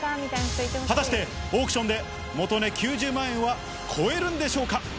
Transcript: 果たしてオークションで元値９０万円は超えるんでしょうか。